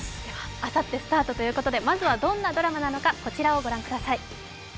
あさってスタートということで、まずはどんなドラマなのかこちらをご覧ください。